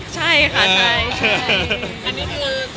ใช่ค่ะใช่